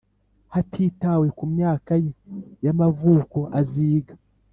hatitawe ku myaka ye y ‘amavuko aziga.